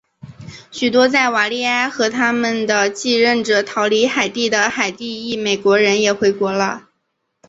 许多在瓦利埃和他们的继任者逃离海地的海地裔美国人也回国了。